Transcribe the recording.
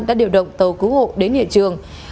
đã điều động tàu cứu hộ đến địa trường